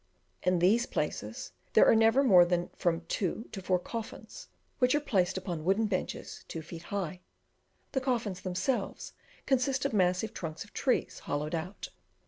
In these places, there are never more than from two to four coffins, which are placed upon wooden benches two feet high: the coffins themselves consist of massive trunks of trees hollowed out.